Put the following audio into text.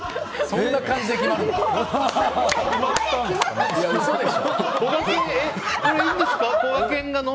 そんな感じで決まるの？